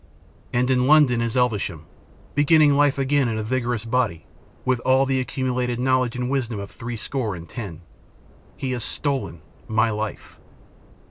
And in London is Elvesham begin ning life again in a vigorous body, and with all the accumulated knowledge and wisdom of threescore and ten. He has stolen my life.